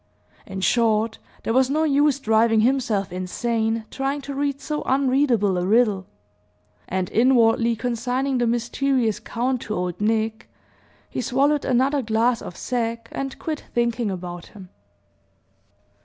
In short, there was no use driving himself insane trying to read so unreadable a riddle; and inwardly consigning the mysterious count to Old Nick, he swallowed another glass of sack, and quit thinking about him.